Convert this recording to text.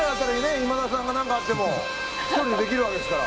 今田さんがなんかあっても１人でできるわけですから。